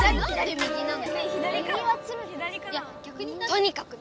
とにかく！